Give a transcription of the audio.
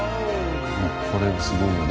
これすごいよね。